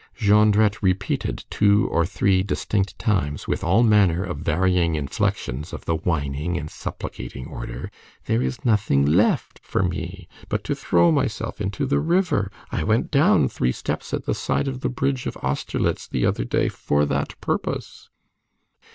Jondrette repeated two or three distinct times, with all manner of varying inflections of the whining and supplicating order: "There is nothing left for me but to throw myself into the river! I went down three steps at the side of the bridge of Austerlitz the other day for that purpose."